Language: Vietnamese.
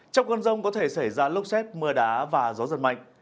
trong cơn rông có thể xảy ra lốc xét mưa đá và gió giật mạnh